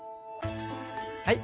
はい。